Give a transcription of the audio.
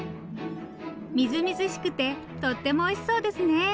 みずみずしくてとってもおいしそうですね。